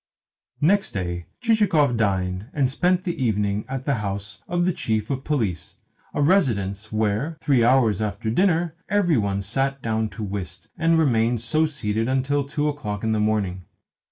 Next day Chichikov dined and spent the evening at the house of the Chief of Police a residence where, three hours after dinner, every one sat down to whist, and remained so seated until two o'clock in the morning.